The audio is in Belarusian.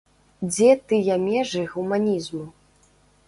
Дзе тыя межы гуманізму?